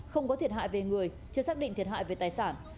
không có thiệt hại về người chưa xác định thiệt hại về tài sản